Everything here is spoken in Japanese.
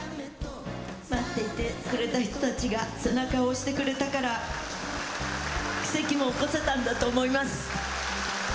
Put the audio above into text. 待っていてくれた人たちが、背中を押してくれたから、奇跡も起こせたんだと思います。